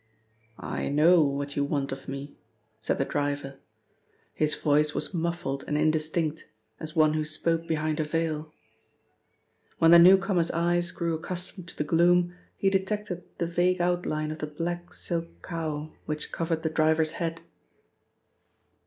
"I know what you want of me," said the driver. His voice was muffled and indistinct, as one who spoke behind a veil. When the newcomer's eyes grew accustomed to the gloom, he detected the vague outline of the black silk cowl which covered the driver's head.